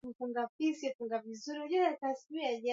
kadhaa wanasosholojia wananthropolojia wanahistoria na wanasheria